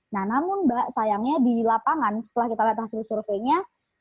nah namun mbak sayangnya di lapangan setelah kita lihat hasil surveinya